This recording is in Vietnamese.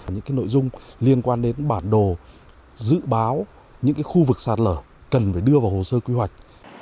những nội dung liên quan đến bản đồ dự báo những khu vực sạt lở cần phải đưa vào hồ sơ quy hoạch